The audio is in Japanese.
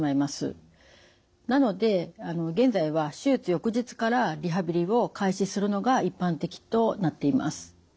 なので現在は手術翌日からリハビリを開始するのが一般的となっています。